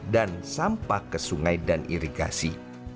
dan sampah ke sungai dan irigasi